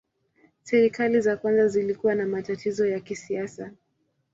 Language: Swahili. Serikali za kwanza zilikuwa na matatizo ya kisiasa.